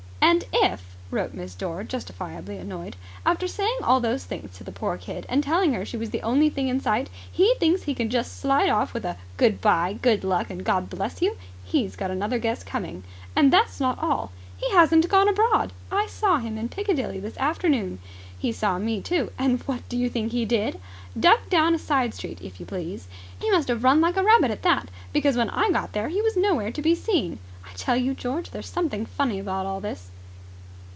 "And if," wrote Miss Dore, justifiably annoyed, "after saying all those things to the poor kid and telling her she was the only thing in sight, he thinks he can just slide off with a 'Good bye! Good luck! and God bless you!' he's got another guess coming. And that's not all. He hasn't gone abroad! I saw him in Piccadilly this afternoon. He saw me, too, and what do you think he did? Ducked down a side street, if you please. He must have run like a rabbit, at that, because, when I got there, he was nowhere to be seen. I tell you, George, there's something funny about all this."